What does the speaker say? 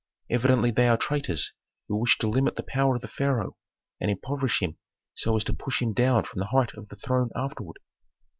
Evidently they are traitors who wish to limit the power of the pharaoh and impoverish him so as to push him down from the height of the throne afterward.